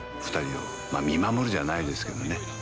二人を見守るじゃないですけどね